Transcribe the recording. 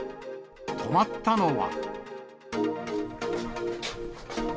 止まったのは。